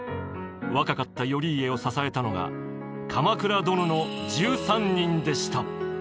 若かった頼家を支えたのが鎌倉殿の１３人でした。